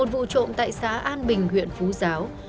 một vụ trộm tại xã an bình huyện phú giáo